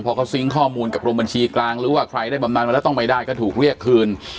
พอเขาซิงค์ข้อมูลกับกรมบัญชีกลางหรือว่าใครได้บำนานมาแล้วต้องไม่ได้ก็ถูกเรียกคืน